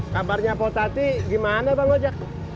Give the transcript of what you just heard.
kabarnya potati gimana bang ojek